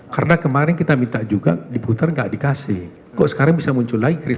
karena kemarin kita minta juga diputar gak dikasih kok sekarang bisa muncul lagi christopher mulia